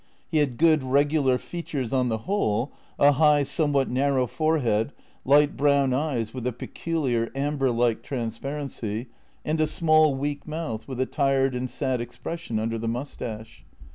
He had good, regular features on the whole, a high, somewhat narrow forehead, light brown eyes with a peculiar amber like transparency, and a small, weak mouth with a tired and sad expression under the moustache.